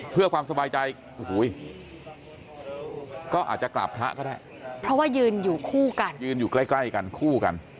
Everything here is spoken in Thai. เพราะว่ายืนอยู่คู่กัน